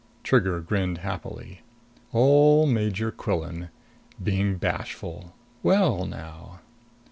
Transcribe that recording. Trigger grinned happily. Ole Major Quillan being bashful! Well now!